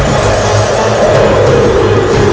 dan menghentikan raiber